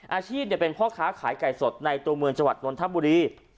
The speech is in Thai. อาชีพเป็นพ่อค้าขายไก่สดในตัวเมืองจังหวัดนนทบุรี